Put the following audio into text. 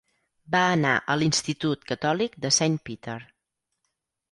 Va anar a l'institut catòlic de Saint Peter.